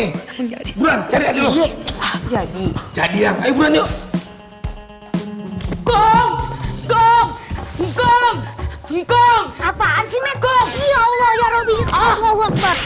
engkau engkau engkau